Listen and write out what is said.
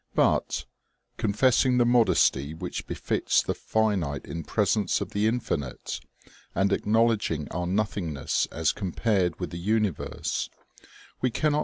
But, confessing the modesty which befits the finite in presence of the infinite, and acknowledging our nothingness as compared with the universe, we cannot 224 OMEGA.